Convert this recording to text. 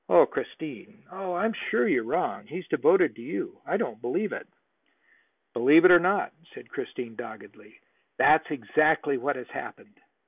"Christine! Oh, I am sure you're wrong. He's devoted to you. I don't believe it!" "Believe it or not," said Christine doggedly, "that's exactly what has happened.